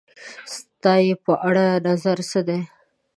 ستا یی په اړه نظر څه دی؟